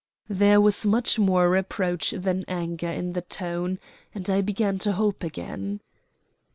There was much more reproach than anger in the tone, and I began to hope again.